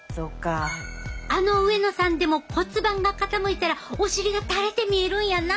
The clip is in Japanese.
あの上野さんでも骨盤が傾いたらお尻がたれて見えるんやな。